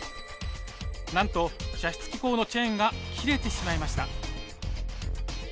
なんと射出機構のチェーンが切れてしまいました。